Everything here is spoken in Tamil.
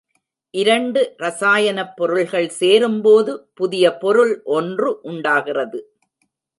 இரண்டு ரசாயனப் பொருள்கள் சேரும்போது புதிய பொருள் ஒன்று உண்டாகிறது.